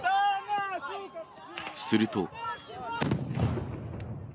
すると。